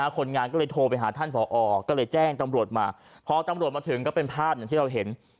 คนงานก็เลยโทรไปหาท่านผอก็เลยแจ้งตำรวจมาพอตำรวจมาถึงก็เป็นภาพอย่างที่เราเห็น